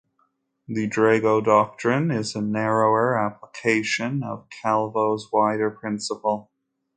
The Drago Doctrine is a narrower application of Calvo's wider principle.